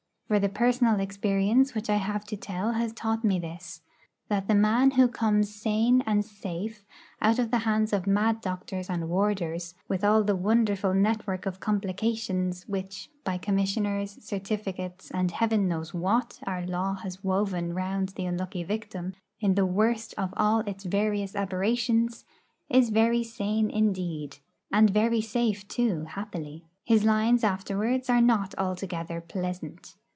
For the personal experience which I have to tell has taught me this: that the man who comes sane and safe out of the hands of mad doctors and warders, with all the wonderful network of complications which, by Commissioners, certificates, and Heaven knows what, our law has woven round the unlucky victim in the worst of all its various aberrations, is very sane indeed. And very safe too, happily. His lines afterwards are not altogether pleasant.